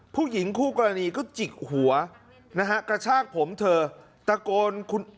ผู้หญิงคู่กรณีก็จิกหัวนะฮะกระชากผมเธอตะโกนคุณ